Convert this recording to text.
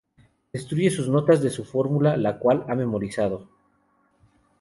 Destruye sus notas de su fórmula, la cual ha memorizado.